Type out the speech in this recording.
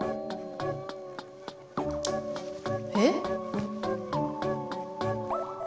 えっ？